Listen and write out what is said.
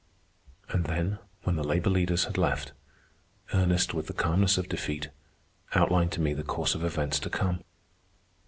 And then, when the labor leaders had left, Ernest, with the calmness of defeat, outlined to me the course of events to come.